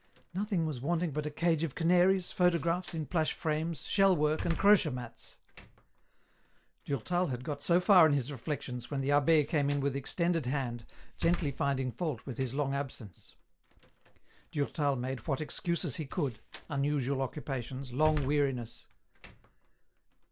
" Nothing was wanting but a cage of canaries, photographs in plush frames, shell work and crochet mats." Durtal had got so far in his reflections when the a.hh6 came in with extended hand, gently finding fault with his long absence. Durtal made what excuses he could, unusual occupations, long weariness.